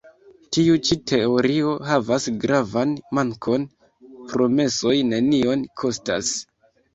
Tiu ĉi teorio havas gravan mankon: promesoj nenion kostas.